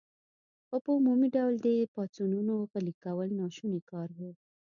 خو په عمومي ډول د دې پاڅونونو غلي کول ناشوني کار و.